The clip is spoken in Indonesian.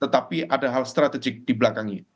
tetapi ada hal strategik di belakangnya